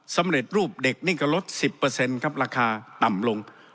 สำเร็จรูปเด็กนี่ก็ลด๑๐ครับราคาต่ำลง